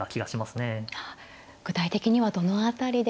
具体的にはどの辺りでしょうか。